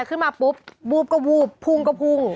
ไว้มาปุ๊บวูปก็วูปพุงก็พุง